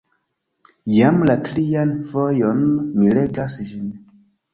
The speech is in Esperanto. Jam la trian fojon mi legas ĝin.